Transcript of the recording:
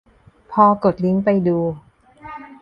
พอกดลิงก์ไปดู